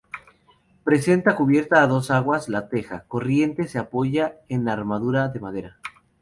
Presenta cubierta a dos aguas; la teja, corriente, se apoya en armadura de madera.